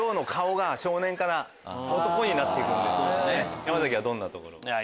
山崎はどんなところが？